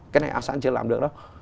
cái này asean chưa làm được đâu